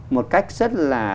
một cách rất là